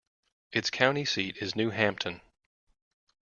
Its county seat is New Hampton.